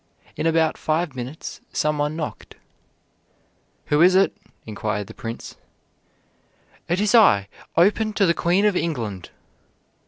In about five minutes some one knocked. "Who is it?" inquired the Prince. "It is I. Open to the Queen of England!"